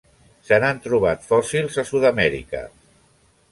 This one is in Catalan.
Se n'han trobat fòssils a Sud-amèrica.